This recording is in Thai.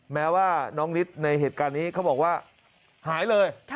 แม้ว่าน้องฤทธิ์ในเหตุการณ์นี้เขาบอกว่าหายเลย